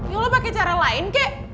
ya lo pake cara lain kek